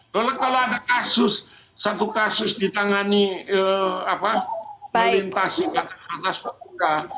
kalau ada kasus satu kasus ditangani melintasi nggak akan lantas berubah